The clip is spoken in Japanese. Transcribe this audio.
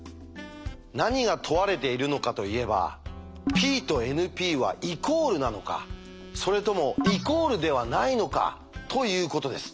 何が問われているのかといえば「ＰとＮＰはイコールなのかそれともイコールではないのか」ということです。